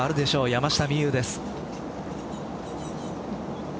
山下美夢有です。